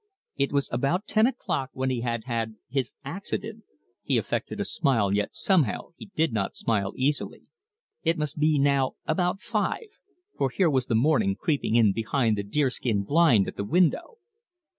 It was about ten o'clock when he had had his "accident" he affected a smile, yet somehow he did not smile easily it must be now about five, for here was the morning creeping in behind the deer skin blind at the window.